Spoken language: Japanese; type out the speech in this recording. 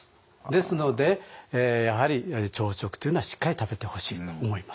ですのでやはり朝食というのはしっかり食べてほしいと思いますね。